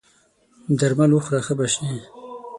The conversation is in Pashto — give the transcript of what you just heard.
درمل وخوره ښه به سې!